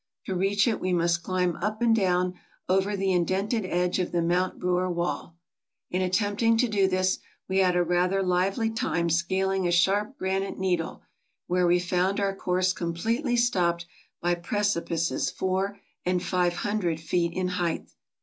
To reach it we must climb up and down over the indented edge of the Mount Brewer wall. In at tempting to do this we had a rather lively time scaling a sharp granite needle, where we found our course completely stopped by precipices four and five hundred feet in height.